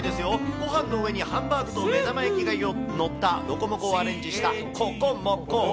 ごはんの上にハンバーグと目玉焼きが載ったロコモコをアレンジしたココモコ。